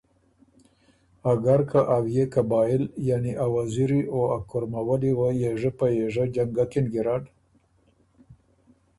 اګر که ا بئے قبائل یعنی ا وزیری او کُرمه ولي وه یېژه په یېژه جنګکِن ګیرډ،